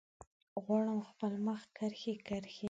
غواړم خپل مخ کرښې، کرښې